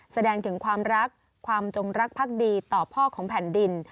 แสดงถึงความรักความจงรักภักดีต่อพ่อของแผ่นดิน